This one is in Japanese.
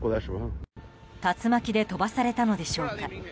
竜巻で飛ばされたのでしょうか。